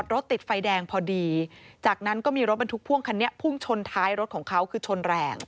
รถบรรทุกพ่วงคันนี้พึ่งชนท้ายรถของเขาคือชนแรง